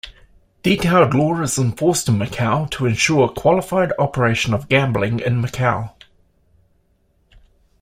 Detailed law is enforced in Macau to ensure "qualified operation of gambling" in Macau.